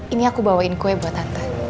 ini aku bawain kue buat tante